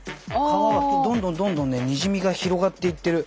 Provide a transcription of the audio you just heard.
革はどんどんどんどんねにじみが広がっていってる。